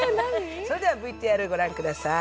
それではＶＴＲご覧ください。